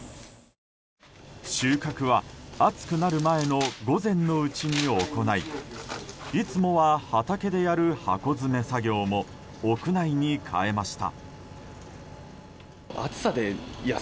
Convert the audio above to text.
収穫は暑くなる前の午前のうちに行いいつもは畑でやる箱詰め作業も屋内に変えました。